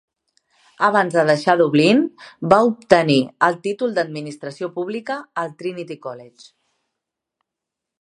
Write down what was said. Abans de deixar Dublín, va obtenir el títol d'administració pública al Trinity College.